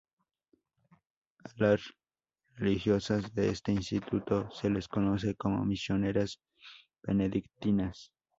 A las religiosas de este instituto se les conoce como misioneras benedictinas.